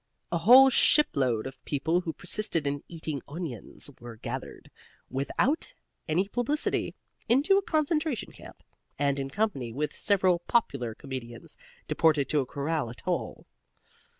A whole shipload of people who persisted in eating onions were gathered (without any publicity) into a concentration camp, and in company with several popular comedians, deported to a coral atoll.